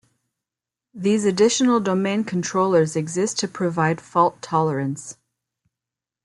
These additional domain controllers exist to provide fault tolerance.